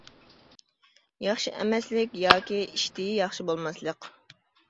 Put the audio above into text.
ياخشى ئەممەسلىك ياكى ئىشتىيى ياخشى بولماسلىق.